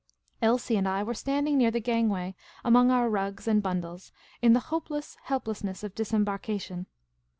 Elsie and I were standing near the gangway among our rugs and bun dles, in the hopeless helplessness of disembarkation.